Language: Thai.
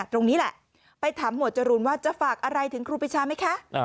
ตรงนี้แหละไปถามหมวดจรูนว่าจะฝากอะไรถึงครูปีชาไหมคะ